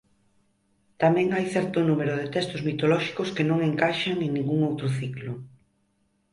Tamén hai certo número de textos mitolóxicos que non encaixan en ningún outro ciclo.